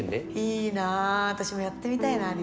いいな私もやってみたいなＤＪ。